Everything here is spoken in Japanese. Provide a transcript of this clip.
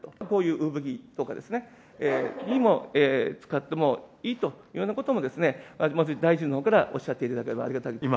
こういう産着とかですね、にも使ってもいいというようなこともですね、まず大臣のほうからおっしゃっていただければありがたい。